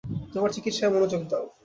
তোমার চিকিৎসায় মনোযোগ দাও।